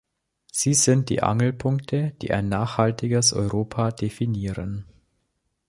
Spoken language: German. Sie sind die Angelpunkte, die ein nachhaltiges Europa definieren.